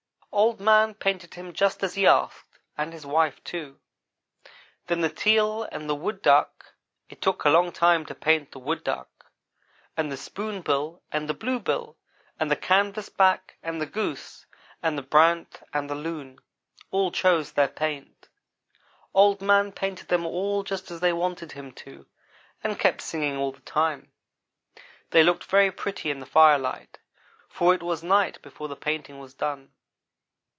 "Old man painted him just as he asked, and his wife, too. Then the teal and the wood duck (it took a long time to paint the wood duck) and the spoonbill and the blue bill and the canvasback and the goose and the brant and the loon all chose their paint. Old man painted them all just as they wanted him to, and kept singing all the time. They looked very pretty in the firelight, for it was night before the painting was done.